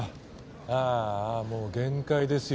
ああもう限界ですよ